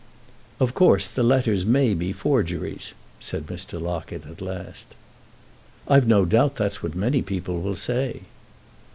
"Of course the letters may be forgeries," said Mr. Locket at last. "I've no doubt that's what many people will say."